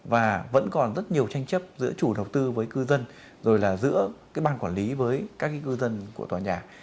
và vẫn còn rất nhiều tranh chấp giữa chủ đầu tư với cư dân rồi là giữa cái ban quản lý với các cư dân của tòa nhà